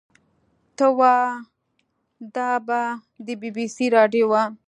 ته وا دا به د بي بي سي راډيو وه.